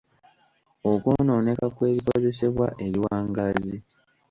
Okwonooneka kw’ebikozesebwa ebiwangaazi.